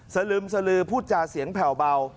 สลึมสลือพูดจาเสียงแผ่วเบา